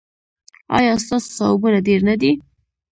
ایا ستاسو ثوابونه ډیر نه دي؟